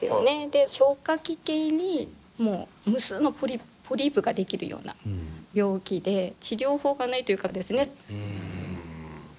で消化器系に無数のポリープが出来るような病気で治療法がないというかですね。